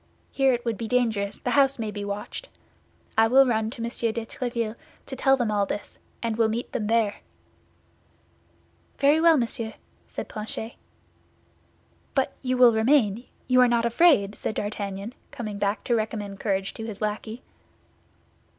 Here it would be dangerous; the house may be watched. I will run to Monsieur de Tréville to tell them all this, and will meet them there." "Very well, monsieur," said Planchet. "But you will remain; you are not afraid?" said D'Artagnan, coming back to recommend courage to his lackey.